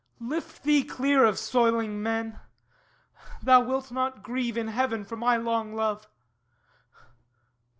Lift thee clear Of soiling men! Thou wilt not grieve in heaven For my long love!